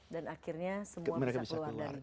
dan akhirnya semua bisa keluar dari itu